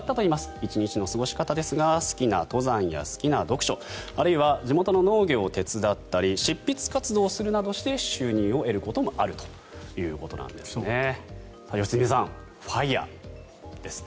１日の過ごし方ですが好きな登山や好きな読書あるいは地元の農業を手伝ったり執筆活動をするなどして収入を得ることもあるということなんですね。